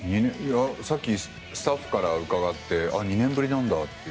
さっきスタッフから伺ってあ、２年ぶりなんだって。